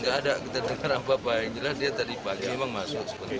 ya nggak ada kita dengar apa pak yang jelas dia tadi pagi memang masuk sebentar